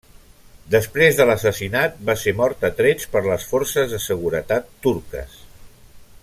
Després de l'assassinat va ser mort a trets per les forces de seguretat turques.